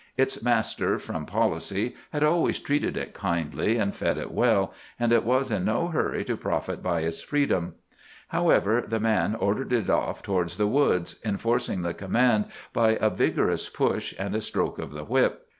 Its master, from policy, had always treated it kindly, and fed it well, and it was in no hurry to profit by its freedom. However, the man ordered it off towards the woods, enforcing the command by a vigorous push and a stroke of the whip.